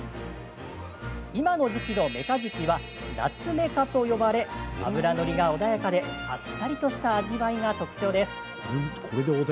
今の時期のメカジキは夏メカと呼ばれ脂乗りが穏やかであっさりとした味わいが特徴です。